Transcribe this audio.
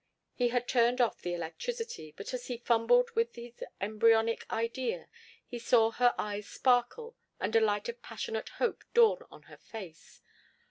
He had turned off the electricity, but as he fumbled with his embryonic idea he saw her eyes sparkle and a light of passionate hope dawn on her face.